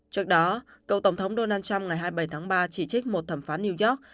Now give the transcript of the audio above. trước đó cựu tổng thống donald trump ngày hai mươi bảy tháng ba chỉ trích một thẩm phán new york